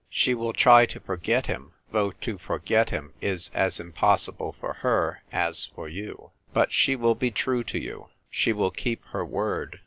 She will try to forget him, though to forget him is as impossible for her as for you. But she will be true to you ; she will keep her word.